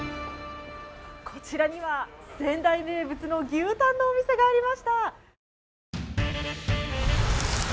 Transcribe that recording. こちらには、仙台名物の牛タンのお店がありました。